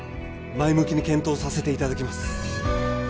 前向きに検討させていただきます